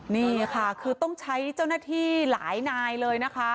นี่ค่ะคือต้องใช้เจ้าหน้าที่หลายนายเลยนะคะ